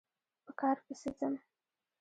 په کار پسې ځم